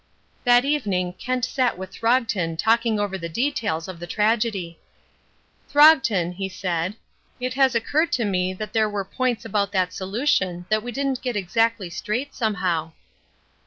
That evening Kent sat with Throgton talking over the details of the tragedy. "Throgton," he said, "it has occurred to me that there were points about that solution that we didn't get exactly straight somehow."